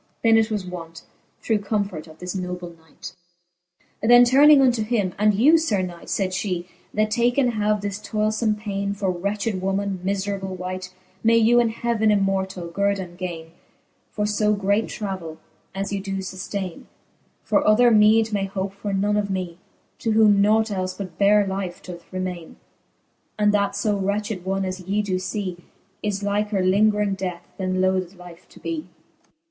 Then it was wont, through comfort of this noble knight. XXI. Then Canto X. the Faerie ^eene. 159 XXI. Then turning unto him ; And you, Sir knight, Said fhe, that taken have this toylefome paine "" For wretched woman, miferable wight, May you in heaven immortall guerdon gaine For fo great travell, as you doe fuftaine : For other meede may hope for none of mee, To whom nought elle, but bare life doth remaine, And that {o wretched one, as ye doe lee Is liker iingring death, then loathed life to bee.